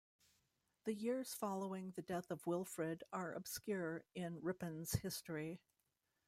The years following the death of Wilfrid are obscure in Ripon's history.